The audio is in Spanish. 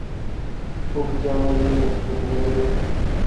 Fue oficial mayor en la Secretaría de Guerra.